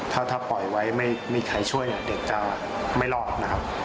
ถ้าปล่อยไว้ไม่มีใครช่วยเด็กจะไม่รอดนะครับ